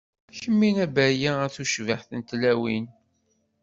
Kemmini a Baya, a tucbiḥt n tlawin.